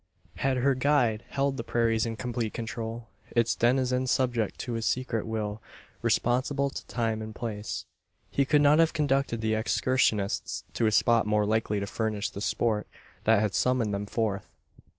Had their guide held the prairies in complete control its denizens subject to his secret will responsible to time and place he could not have conducted the excursionists to a spot more likely to furnish the sport that had summoned them forth.